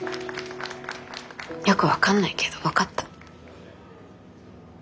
よく分かんないけど分かった。